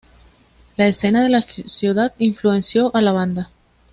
La escena de la ciudad influenció a la banda.